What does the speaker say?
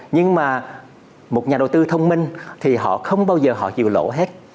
nhưng mà một nhà đầu tư thông minh thì họ không bao giờ họ chịu lỗ hết